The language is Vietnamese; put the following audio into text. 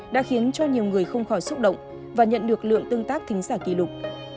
đã khiến cho nhiều người không khỏi xúc động và nhận được lượng tương tác thính giả kỷ lục